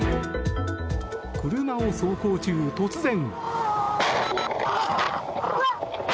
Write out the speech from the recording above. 車を走行中、突然。